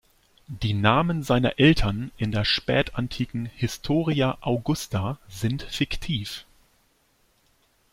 Die Namen seiner Eltern in der spätantiken "Historia Augusta" sind fiktiv.